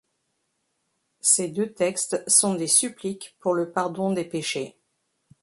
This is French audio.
Ces deux textes sont des suppliques pour le pardon des péchés.